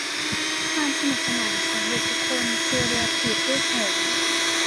ความสนุกสนานของเด็กทุกคนคือเรือถีบรูปหงส์